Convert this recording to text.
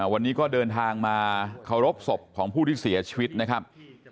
วันนี้ก็เดินทางมาเคารพศพของผู้ที่เสียชีวิตนะครับ